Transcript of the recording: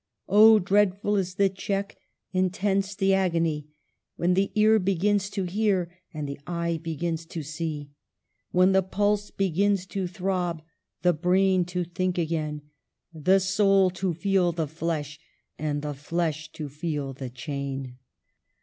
" Oh, dreadful is the check — intense the agony — When the ear begins to hear, and the eye begins to see ; When the pulse begins to throb, the brain to think again, The soul to feel the flesh, and the flesh to feel the chain."